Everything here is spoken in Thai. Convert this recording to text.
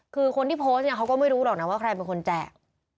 คือคนที่โพสต์เนี่ยเขาก็ไม่รู้หรอกนะว่าใครเป็นคนแจก